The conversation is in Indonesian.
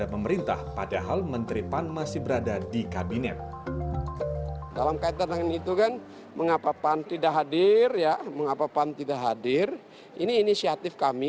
pada pemerintah padahal menteri pan masih berada di kabinet